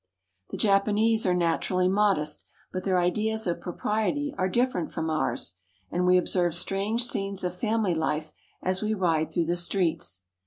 The Japanese are naturally modest, but their ideas of propriety are different from ours, and we observe strange scenes of family life as we ride through the streets.